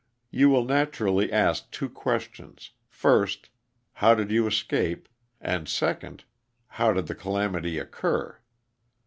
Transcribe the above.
You will naturally ask two questions, first, How did you escape?'' and second, "How did the calamity occur?"